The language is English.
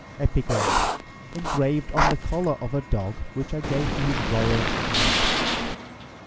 EPIGRAM, ENGRAVED ON THE COLLAR OF A DOG WHICH I GAVE TO HIS ROYAL HIGHNESS.